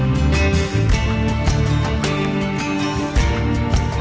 โปรดติดตามตอนต่อไป